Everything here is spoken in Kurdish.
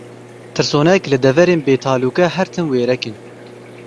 Tirsonek, li deverên bêtalûke her tim wêrek in.